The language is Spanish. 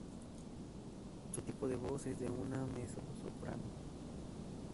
Su tipo de voz es de una mezzosoprano.